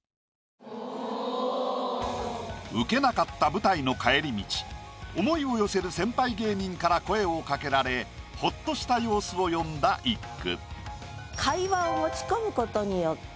ウケなかった舞台の帰り道思いを寄せる先輩芸人から声を掛けられホッとした様子を詠んだ一句。